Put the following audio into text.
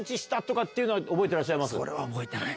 それは覚えてない。